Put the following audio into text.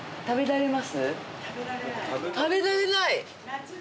食べられない。